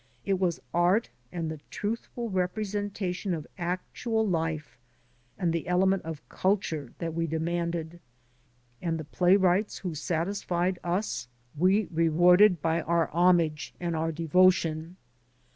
It was art and the truthful representation of actual life and the element of culture that we demanded, and the playwrights who satisfied us we rewarded by our 148 SHIRTS AND PHILOSOPHY homage and our devotion.